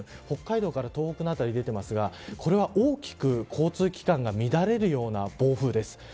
北海道から東北の辺りですがこれは大きく交通機関が乱れるような暴風です。